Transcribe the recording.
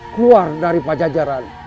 keluar dari pajajaran